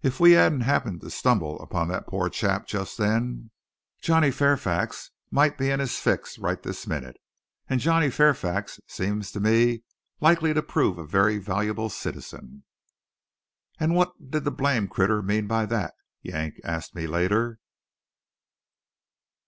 If we hadn't happened to stumble on that poor chap just then, Johnny Fairfax might be in his fix right this minute, and Johnny Fairfax seems to me likely to prove a very valuable citizen." "And what did the blame critter mean by that?" Yank asked me later.